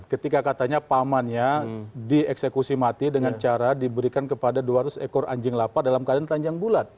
ketika katanya pamannya dieksekusi mati dengan cara diberikan kepada dua ratus ekor anjing lapa dalam keadaan tanjang bulat